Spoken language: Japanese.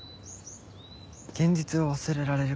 現実を忘れられるから。